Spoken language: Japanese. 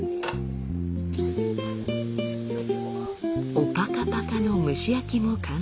オパカパカの蒸し焼きも完成。